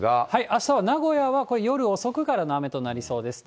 あしたは名古屋はこれ、夜遅くからの雨となりそうです。